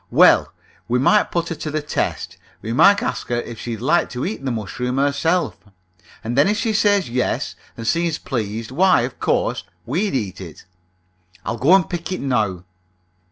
"Well, we might put her to the test. We might ask her if she'd like to eat the mushroom herself, and then if she says yes and seems pleased, why, of course we'd eat it. I'll go and pick it now."